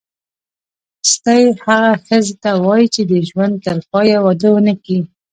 ستۍ هغه ښځي ته وايي چي د ژوند ترپایه واده ونه کي.